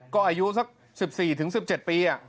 ก็อายุสัก๑๔๑๗ปี